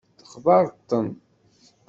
Textaṛeḍ-ten?